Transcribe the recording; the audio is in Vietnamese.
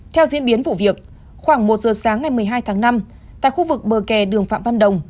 theo diễn biến vụ việc khoảng một giờ sáng ngày một mươi hai tháng năm tại khu vực bờ kè đường phạm văn đồng